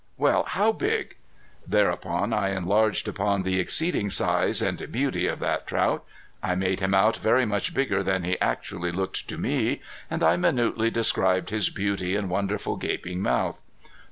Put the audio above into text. "Humph! Well, how big?" Thereupon I enlarged upon the exceeding size and beauty of that trout. I made him out very much bigger than he actually looked to me and I minutely described his beauty and wonderful gaping mouth.